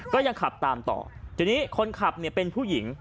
ก็ยังขับตามต่อทีนี้คนขับเนี่ยเป็นผู้หญิง